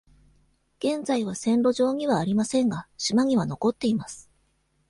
現在は線路上にはありませんが、島には残っています。